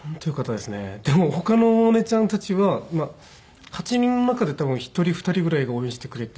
でも他のお姉ちゃんたちはまあ８人の中で多分１人２人ぐらいが応援してくれて。